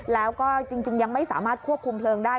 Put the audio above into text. แล้วก็จริงยังไม่สามารถควบคุมเพลิงได้